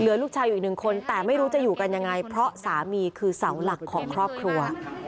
ลูกชายอีกหนึ่งคนแต่ไม่รู้จะอยู่กันยังไงเพราะสามีคือเสาหลักของครอบครัว